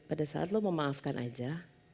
pada saat lo memaafkan aja